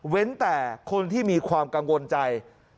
แต่คนที่มีความกังวลใจ